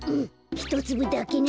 ひとつぶだけなら。